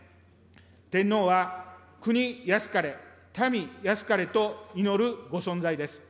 天皇は、国安かれ、民安かれと祈るご存在です。